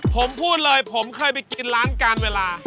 ผมพูดเลยผมเคยไปกินร้านการเวลา